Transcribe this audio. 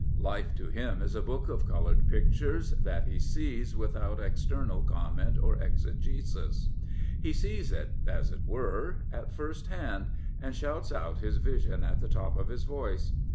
Life to him is a book of coloured pictures that he sees without external comment or exegesis. He sees it, as it were, at first hand, and shouts out his vision at the top of his voice.